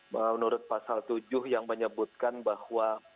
menurut pasal tujuh yang menyebutkan bahwa